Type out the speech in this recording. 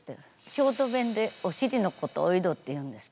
京都弁でお尻のことをおいどっていうんですけど。